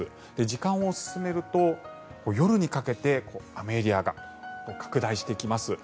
時間を進めると、夜にかけて雨エリアが拡大してきます。